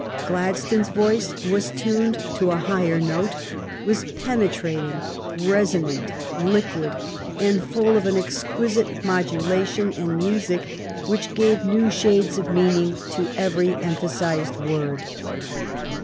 Gladstones voice was tuned to a higher note, was penetrating, resonant, liquid, and full of an exquisite modulation and music which gave new shades of meaning to every emphasized word.